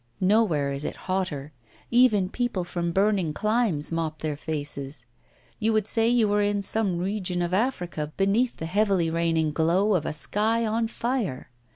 Nowhere is it hotter; even people from burning climes mop their faces; you would say you were in some region of Africa beneath the heavily raining glow of a sky on fire.